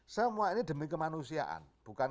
semua ini demi kemanusiaan bukan